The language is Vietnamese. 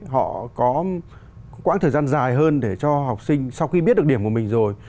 họ có quãng thời gian dài hơn để cho học sinh sau khi biết được điểm của mình rồi